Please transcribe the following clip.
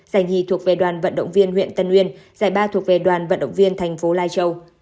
giải nhì thuộc về đoàn vận động viên huyện tân uyên giải ba thuộc về đoàn vận động viên thành phố lai châu